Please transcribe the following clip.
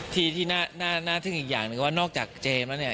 ทีที่น่าทึ่งอีกอย่างนอกจากเจมส์แล้วเนี่ย